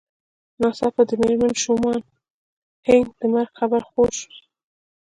ناڅاپه د مېرمن شومان هينک د مرګ خبر خپور شو